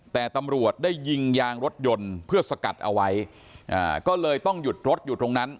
แต่ตำรวจได้ยิงยางรถยนต์เพื่อสกัดเอาไว้ก็เลยต้องหยุดรถอยู่ตรงนั้น